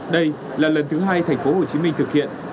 đây là lần thứ hai thành phố hồ chí minh thực hiện